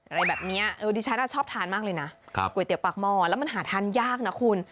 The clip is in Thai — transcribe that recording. อะไรแบบนี้ดิฉันชอบทานมากเลยนะก๋วยเตี๋ยปากหม้อแล้วมันหาทานยากนะคุณ